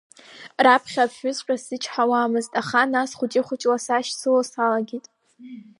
Раԥхьа афҩыҵәҟьа сзычҳауамызт, аха нас хәыҷы-хәыҷла сашьцыло салагеит.